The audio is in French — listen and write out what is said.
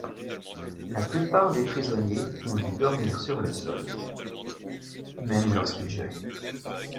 La plupart des prisonniers ont dû dormir sur le sol, même lorsqu'il gelait.